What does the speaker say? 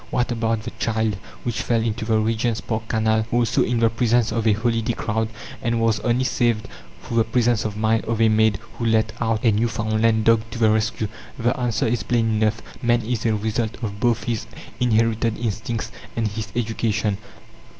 "What about the child which fell into the Regent's Park Canal also in the presence of a holiday crowd and was only saved through the presence of mind of a maid who let out a Newfoundland dog to the rescue?" The answer is plain enough. Man is a result of both his inherited instincts and his education.